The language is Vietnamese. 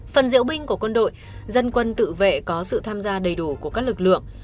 phần diễu binh của quân đội dân quân tự vệ có sự tham gia đầy đủ của các lực lượng